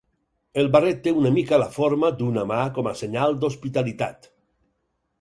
El barret té una mica la forma d'una mà com a senyal d'hospitalitat.